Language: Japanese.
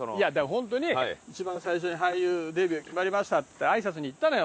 本当に一番最初に俳優デビュー決まりましたって挨拶に行ったのよ。